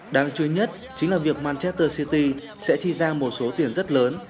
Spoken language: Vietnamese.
đáng chú ý nhất chính là việc mancheer city sẽ chi ra một số tiền rất lớn